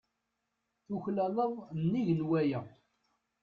Tuklaleḍ nnig n waya.